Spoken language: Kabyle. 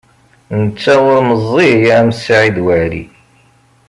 Netta ur meẓẓiy am Saɛid Waɛli.